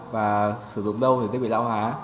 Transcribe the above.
và sử dụng đâu thì sẽ bị lão hóa